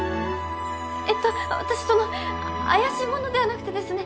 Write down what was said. えっと私その怪しい者ではなくてですね